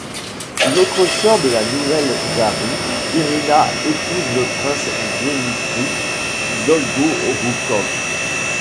Une autre sœur de la nouvelle tsarine, Irina, épouse le prince Dmitri Dolgoroukov.